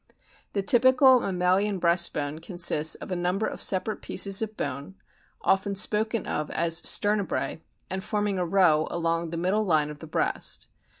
The typical mammalian breast bone consists of a number of separate pieces of bone, often spoken of as " sternebrae," and forming a row along the middle line of the breast.